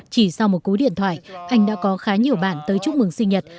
chỉ sau một cú điện thoại anh đã có khá nhiều bạn tới chúc mừng sinh nhật